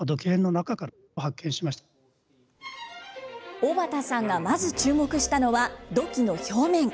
小畑さんがまず注目したのは土器の表面。